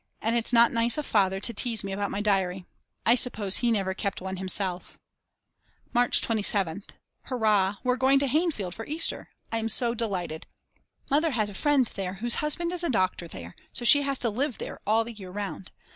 And it's not nice of Father to tease me about my diary; I suppose he never kept one himself. March 27th. Hurrah we're going to Hainfeld for Easter; I am so delighted. Mother has a friend there whose husband is doctor there, so she has to live there all the year round.